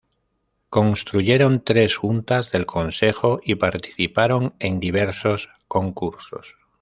Construyeron tres juntas del consejo y participaron en diversos concursos.